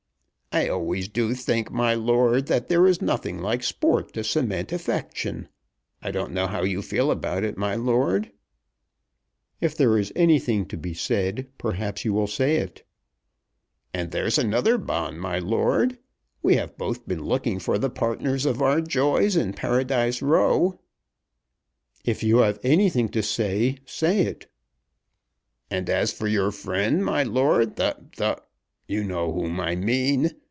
"I always do think, my lord, that there is nothing like sport to cement affection. I don't know how you feel about it, my lord." "If there is anything to be said perhaps you will say it." "And there's another bond, my lord. We have both been looking for the partners of our joys in Paradise Row." "If you have anything to say, say it." "And as for your friend, my lord, the, the . You know whom I mean.